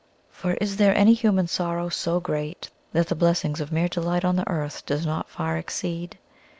For is there any human sorrow so great that the blessing of mere daylight on the earth does not far exceed?